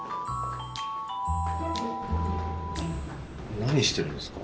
なにしてるんですか？